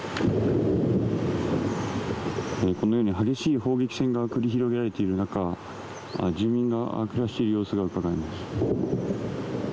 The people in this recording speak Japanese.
このように激しい砲撃戦が繰り広げられている中、住民が暮らしている様子がうかがえます。